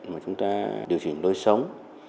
mà chúng ta điều chỉnh lối sống